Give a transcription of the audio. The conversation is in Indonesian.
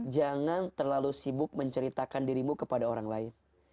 jangan terlalu sibuk menceritakan dirimu kepada orang lain